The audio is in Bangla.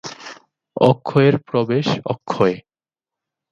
অক্ষয়ের প্রবেশ অক্ষয়।